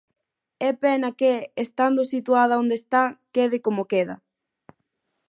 É pena que, estando situada onde está, quede como queda.